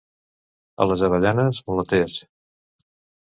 A les Avellanes, mulaters.